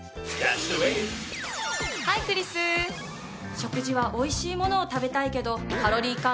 食事はおいしいものを食べたいけど。